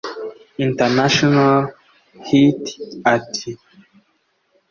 International hit ati